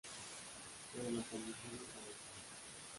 Pero las ambiciones de la Sra.